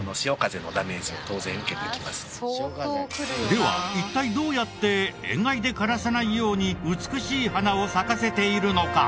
では一体どうやって塩害で枯らさないように美しい花を咲かせているのか？